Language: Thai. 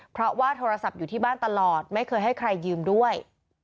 เพราะว่าโทรศัพท์อยู่ที่บ้านตลอดไม่เคยให้ใครยืมด้วย